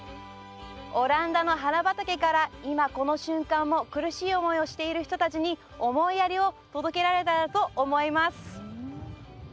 オランダの花畑から今、この瞬間も苦しい思いをしている人たちに思いやりを届けられたらと思います。